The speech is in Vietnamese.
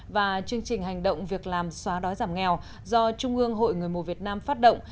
và chương trình hành động việc làm xóa đói giảm nghèo do trung ương hội người mù việt nam phát động